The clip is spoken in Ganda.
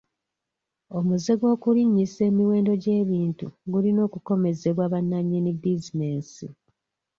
Omuze gw'okulinnyisa emiwendo gy'ebintu gulina okukomezebwa bannannyini bizinensi.